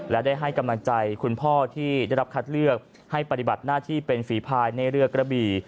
และได้ให้กำลังใจคุณพ่อที่ได้รับคัดเลือกให้ปฏิบัติหน้าที่เป็นฝีภายในเรือกระบี่